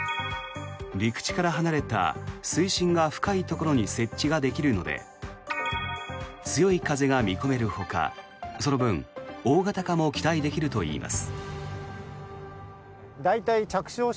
陸地から離れた水深が深いところに設置ができるので強い風が見込めるほかその分、大型化も期待できるといいます。